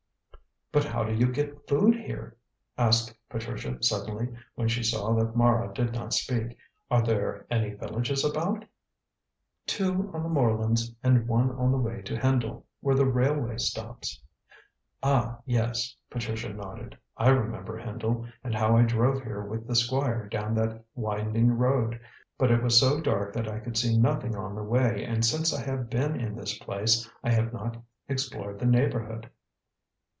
"But how do you get food here?" asked Patricia suddenly, when she saw that Mara did not speak; "are there any villages about?" "Two on the moorlands, and one on the way to Hendle, where the railway stops." "Ah, yes," Patricia nodded. "I remember Hendle, and how I drove here with the Squire down that winding road. But it was so dark that I could see nothing on the way, and since I have been in this place I have not explored the neighbourhood."